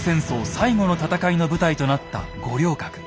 最後の戦いの舞台となった五稜郭。